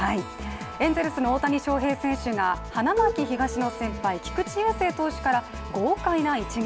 エンゼルスの大谷翔平選手が花巻東の先輩、菊池雄星投手から豪快な一撃。